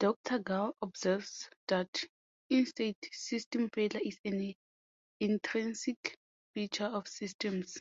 Doctor Gall observes that, instead, system failure is an "intrinsic feature of systems".